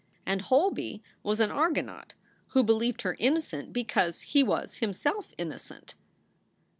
And Holby was an Argonaut who believed her innocent because he was himself innocent.